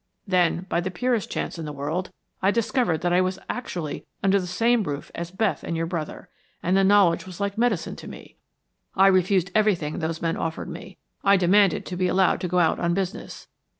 Then, by the purest chance in the world, I discovered that I was actually under the same roof as Beth and your brother, and the knowledge was like medicine to me. I refused everything those men offered me, I demanded to be allowed to go out on business.